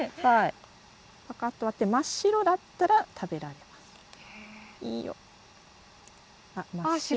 パカッと割って真っ白だったら食べられます。